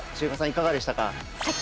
いかがでしたか？